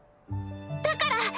だから！